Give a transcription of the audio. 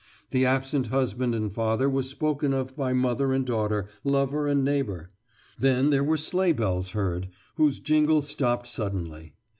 The absent husband and father was spoken of by mother and daughter, lover and neighbour. Then there were sleigh bells heard, whose jingle stopped suddenly.